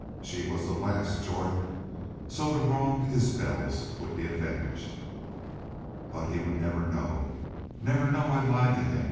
She was the last Jorth. So the wronged Isbels would be avenged. "But he would never know never know I lied to him!"